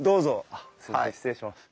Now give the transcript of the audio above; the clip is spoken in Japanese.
あっすいません失礼します。